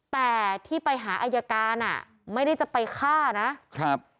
แต่ที่ไปหาอายการอ่ะไม่ได้จะไปฆ่านะครับ